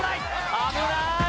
危ない！